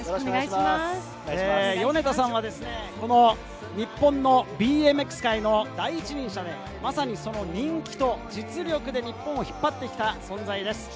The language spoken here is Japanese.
米田さんは、日本のＢＭＸ界の第一人者で、まさに人気と実力で日本を引っ張ってきた存在です。